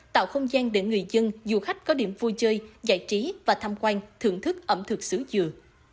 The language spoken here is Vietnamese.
tạo không gian để người dân du khách có điểm vui chơi giải trí và tham quan thưởng thức ẩm thực sứ dừa